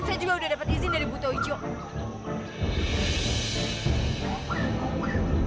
saya sudah dapat izin dari buta wijong